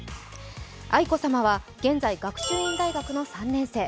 愛子さまは現在、学習院大学の３年生。